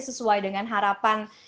sesuai dengan harapan